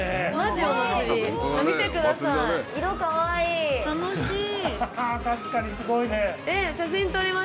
ははは確かにすごいね。